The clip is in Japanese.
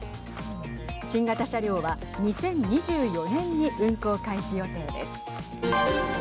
新型車両は２０２４年に運行開始予定です。